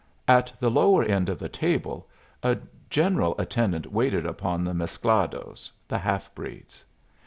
At the lower end of the table a general attendant waited upon the mesclados the half breeds.